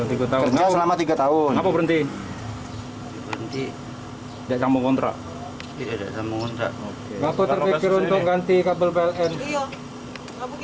iya kenapa kita nggak ganti kabel ini kak